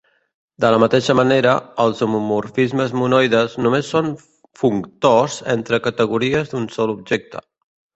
De la mateixa manera, els homomorfismes monoides només són functors entre categories d'un sol objecte.